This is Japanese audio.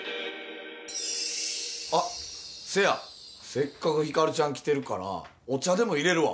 せっかくヒカルちゃん来てるからお茶でもいれるわ。